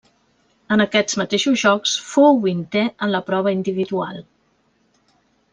En aquests mateixos Jocs fou vintè en la prova individual.